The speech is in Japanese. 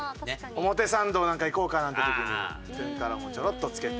表参道なんか行こうかなんて時にトゥンカロンもちょろっとつけて。